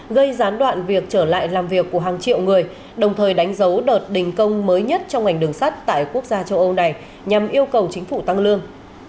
gây gián đoạn việc trở lại làm việc của hàng triệu người đồng thời đánh dấu đợt đình công mới nhất trong ngành đường sắt tại quốc gia châu âu này nhằm yêu cầu chính phủ tăng lương